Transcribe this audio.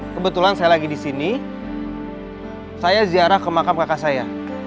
kebetulan saya lagi di sini saya ziarah ke makam kakak saya